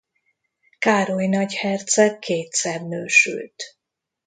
Károly nagyherceg kétszer nősült.